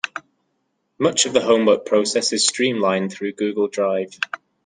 Much of the homework process is streamlined through Google Drive.